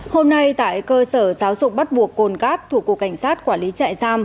hôm nay tại cơ sở giáo dục bắt buộc cồn cát thuộc cục cảnh sát quản lý trại giam